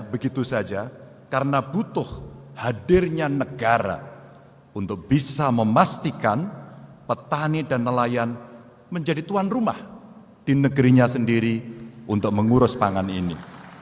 begitu saja karena butuh hadirnya negara untuk bisa memastikan petani dan nelayan menjadi tuan rumah di negerinya sendiri untuk mengurus pangan ini